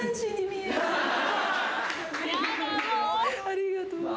ありがとう。